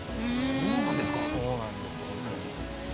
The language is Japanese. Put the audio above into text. そうなんですよね。